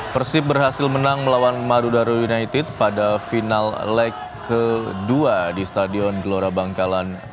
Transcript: persib berhasil menang melawan madura united pada final leg kedua di stadion gelora bangkalan